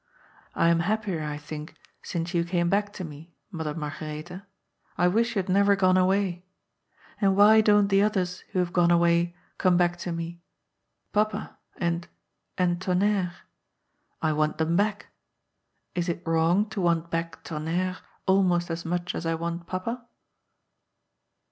I am happier, I think, since you came back to me. Mother Margaretha. I wish you had never gone away. And why don't the others who have gone away come back to me. Papa, and — and Tonnerre ? I want them back. Is it wrong to want back Tonnerre almost as much as I want Papa